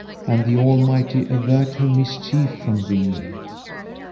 And the Almighty avert her mischief from thee!"